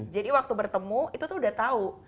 jadi waktu bertemu itu sudah tahu